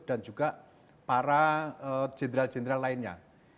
dan juga para jenderal jenderal lainnya